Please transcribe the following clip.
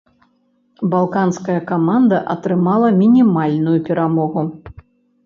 Балканская каманда атрымала мінімальную перамогу.